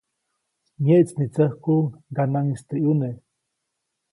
Myeʼtsnitsäkuʼuŋ ŋganaʼŋis teʼ ʼyuneʼ.